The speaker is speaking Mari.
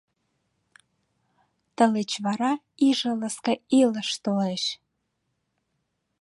Тылеч вара иже ласка илыш толеш!